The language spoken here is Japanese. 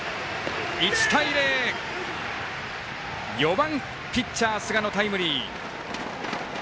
１対０、４番、ピッチャー寿賀のタイムリー。